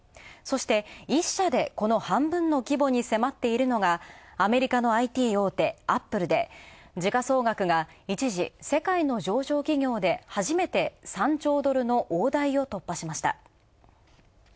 そして１社でこの半分の規模に迫っているのが、アメリカのＩＴ大手、アップルで、時価総額が一時、世界の上場企業で初めて３兆ドルの大台を突破しました。